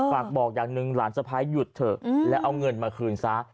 ฝากบอกอย่างหนึ่งหลานสะพ้ายหยุดเถอะแล้วเอาเงินมาคืนซะ